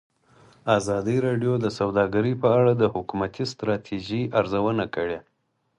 ازادي راډیو د سوداګري په اړه د حکومتي ستراتیژۍ ارزونه کړې.